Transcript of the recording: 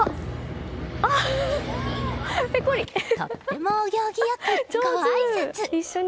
とってもお行儀よくごあいさつ！